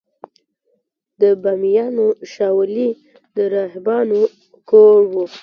د بامیانو شاولې د راهبانو کور و